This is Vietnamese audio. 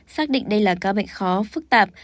xác định đây là ca bệnh khó phức tạp